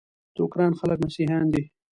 د اوکراین خلک مسیحیان دي.